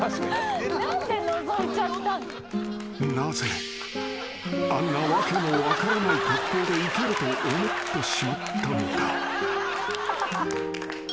［なぜあんな訳の分からない格好でいけると思ってしまったのか］